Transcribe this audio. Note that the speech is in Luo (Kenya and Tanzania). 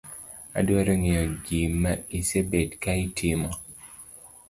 Adwaro ng'eyo gima isebet ka itimo